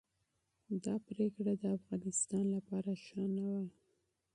دا پریکړه د افغانستان لپاره ښه نه وه.